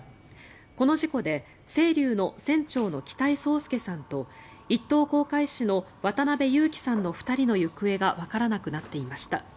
この事故で「せいりゅう」の船長の北井宗祐さんと１等航海士の渡辺侑樹さんの２人の行方がわからなくなっていました。